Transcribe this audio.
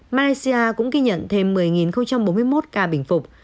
malaysia cũng ghi nhận thêm một mươi bốn mươi một ca bình phục